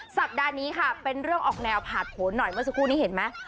สัปดาห์นี้เป็นเรื่องออกแนวผาร์ดโผล่หน่อยเมื่อสัปดาห์นี้เห็นไหม